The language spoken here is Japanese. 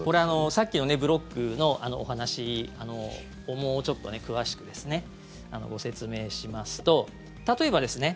さっきのブロックのお話をもうちょっとね詳しくご説明しますと例えばですね